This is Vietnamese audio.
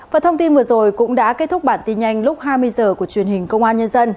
và thông tin vừa rồi cũng đã kết thúc bản tin nhanh lúc hai mươi h của truyền hình công an nhân dân